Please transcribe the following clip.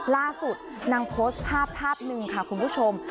ล่าสุดนางโพสต์ภาพภาพหนึ่งค่ะคุณผู้ชม